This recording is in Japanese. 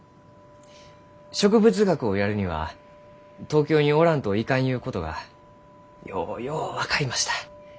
植物学をやるには東京におらんといかんゆうことがようよう分かりました。